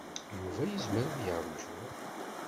Yuba yezmer ad yeṛju.